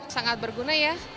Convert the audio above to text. sangat berguna ya